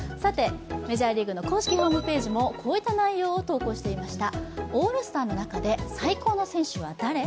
メジャーリーグの公式ホームページもこういった内容を投稿していました。